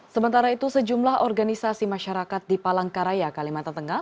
sementara itu sejumlah organisasi masyarakat di palangkaraya kalimantan tengah